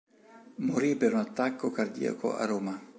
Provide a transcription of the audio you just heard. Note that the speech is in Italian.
Morì per un attacco cardiaco a Roma.